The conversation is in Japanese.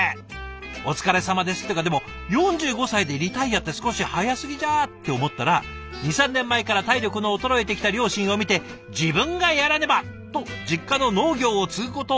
お疲れさまですっていうかでも４５歳でリタイアって少し早すぎじゃ？って思ったら２３年前から体力の衰えてきた両親を見て自分がやらねば！と実家の農業を継ぐことを決めたんだそう。